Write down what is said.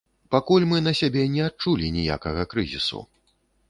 Пакуль мы на сябе не адчулі ніякага крызісу.